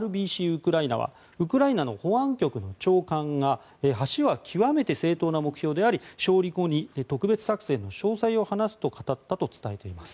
ウクライナはウクライナの保安局の長官が橋は極めて正当な目標であり勝利後に特別作戦の詳細を話すと語ったと伝えています。